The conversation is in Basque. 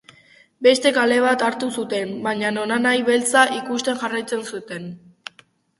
Beste kale bat hartu zuten, baina nonahi beltzak ikusten jarraitu zuten.